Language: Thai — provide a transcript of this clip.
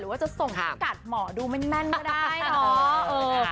หรือว่าจะส่งที่กัดหมอดูไม่แน่นก็ได้เนาะ